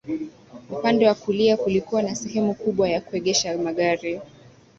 Upande wa kulia kulikuwa na sehemu kubwa ya kuegesha magari